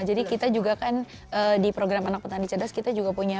jadi kita juga kan di program anak petani cedas kita juga punya